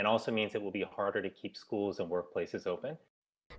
dan juga akan lebih sulit untuk menjaga sekolah dan tempat kerja yang terbuka